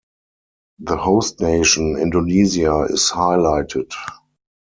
The host nation, Indonesia, is highlighted.